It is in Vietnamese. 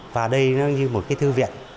và đây nó như một thư viện